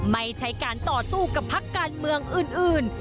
ไม่ใช่การต่อสู้กับพักการเมืองอื่น